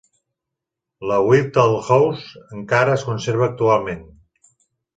La Whitall House encara es conserva actualment.